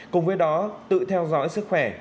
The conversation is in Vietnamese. cùng với đó tự theo dõi sức khỏe